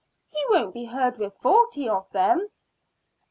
"He won't be heard with forty of them."